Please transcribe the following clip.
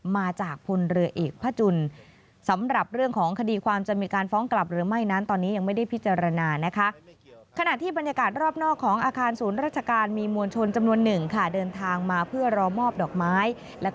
มาจากพลเรอเอกพระจุล